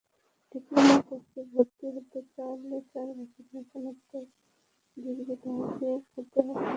Diploma কোর্সে ভর্তি হতে চাইলে চার বছরের স্নাতক ডিগ্রিধারী হতে হবে।